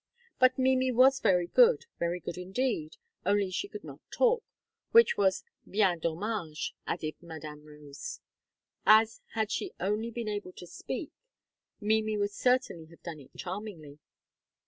But Mimi was very good very good indeed, only she could not talk, which was "bien dommage," added Madame Rose, as, had she only been able to speak, Mimi would certainly have done it charmingly.